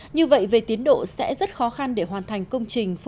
như vậy về tiến độ sẽ rất khó khăn để hoàn thành công trình